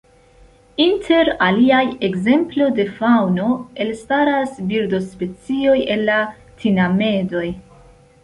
Inter aliaj ekzemplo de faŭno elstaras birdospecioj el la tinamedoj.